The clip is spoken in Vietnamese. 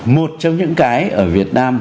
một trong những cái ở việt nam